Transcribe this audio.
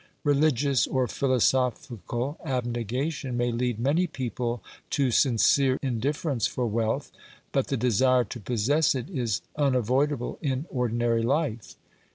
Religious or philosophical abnegation may lead many people to sincere indifference for wealth, but the desire to possess it is unavoidable in ordinary life.